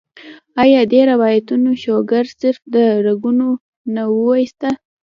ايا دې دوايانو شوګر صرف د رګونو نه اوويستۀ